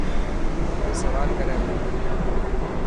اي سوال ڪري پيو.